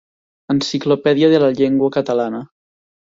Enciclopèdia de la Llengua Catalana.